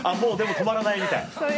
止まらないみたい。